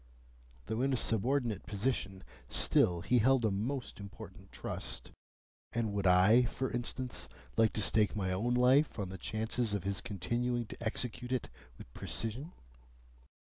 Though in a subordinate position, still he held a most important trust, and would I (for instance) like to stake my own life on the chances of his continuing to execute it with precision?